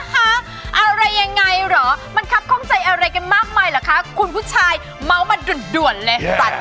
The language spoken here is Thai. อะไรยังไงเหรอมันครับข้องใจอะไรกันมากมายเหรอคะคุณผู้ชายเมาส์มาด่วนเลย